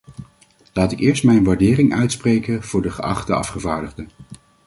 Laat ik eerst mijn waardering uitspreken voor de geachte afgevaardigde.